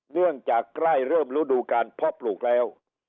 เนื่องจากใกล้เริ่มฤดูการเพาะปลูกแล้ว